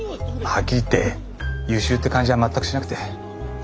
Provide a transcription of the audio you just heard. はっきり言って優秀って感じは全くしなくて。